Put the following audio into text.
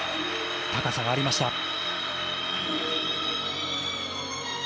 高さがありました。